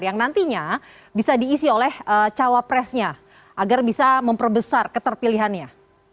yang nantinya bisa diisi oleh cawapresnya agar bisa memperbesar keterpilihannya